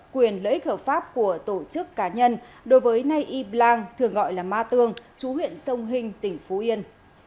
quyền lợi ích hợp pháp của tổ chức cá nhân đối với nay y blang thường gọi là ma tương chú huyện sông hình tỉnh phú yên